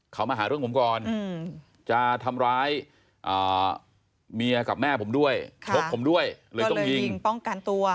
เขามาหาเรื่องผมก่อนจะทำร้ายเมียกับแม่ผมด้วยชกผมด้วยเลยต้องยิงป้องกันตัว